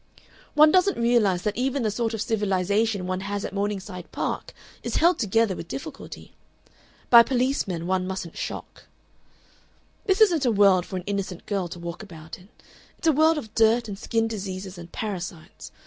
One doesn't realize that even the sort of civilization one has at Morningside Park is held together with difficulty. By policemen one mustn't shock. "This isn't a world for an innocent girl to walk about in. It's a world of dirt and skin diseases and parasites.